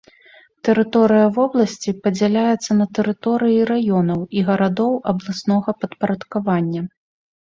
Тэрыторыя вобласці падзяляецца на тэрыторыі раёнаў і гарадоў абласнога падпарадкавання.